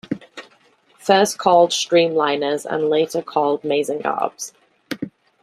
First called "Streamliners", and later called "Mazengarbs".